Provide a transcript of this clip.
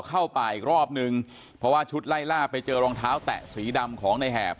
เข้าป่าอีกรอบนึงเพราะว่าชุดไล่ล่าไปเจอรองเท้าแตะสีดำของในแหบ